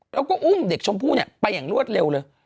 แล้วก็อุ้มเด็กชมพู่ไปอย่างรวดเร็วเลย